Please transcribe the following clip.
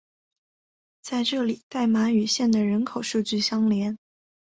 在这里代码与县的人口数据相连。